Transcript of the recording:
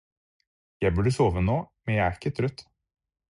Jeg burde sove nå, men jeg er ikke trøtt.